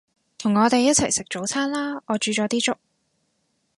同我哋一齊食早餐啦，我煮咗啲粥